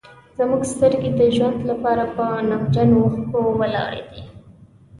زموږ سترګې د ژوند لپاره په نمجنو اوښکو ولاړې دي.